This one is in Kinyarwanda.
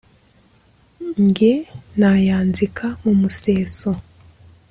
Nge nayanzika mu museso